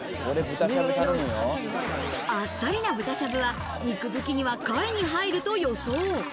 あっさりな豚しゃぶは、肉好きには下位に入ると予想。